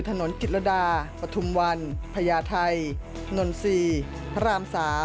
ถนนจิตรดาปฐุมวันพญาไทยนนทรีย์พระราม๓